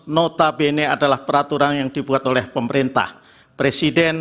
notabene adalah peraturan yang dibuat oleh pemerintah presiden